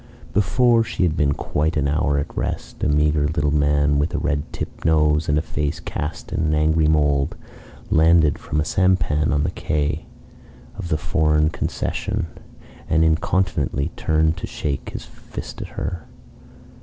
Before she had been quite an hour at rest, a meagre little man, with a red tipped nose and a face cast in an angry mould, landed from a sampan on the quay of the Foreign Concession, and incontinently turned to shake his fist at her.